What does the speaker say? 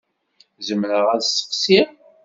Zemreɣ ad d-sseqsiɣ?